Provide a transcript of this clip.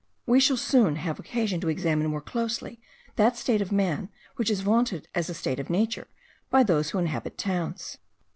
We shall soon have occasion to examine more closely that state of man, which is vaunted as a state of nature, by those who inhabit towns.